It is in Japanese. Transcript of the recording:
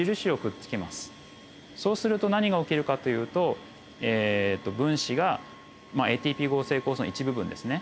そうすると何が起きるかというとえっと分子がＡＴＰ合成酵素の一部分ですね